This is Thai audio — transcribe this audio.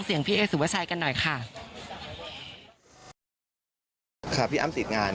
เพลงสุดท้าย